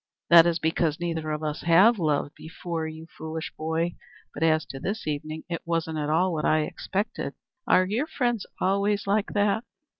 "That is because neither of us has loved before, you foolish boy. But as to this evening, it wasn't at all what I expected. Are your friends always like that?"